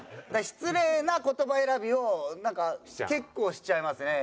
失礼な言葉選びをなんか結構しちゃいますね。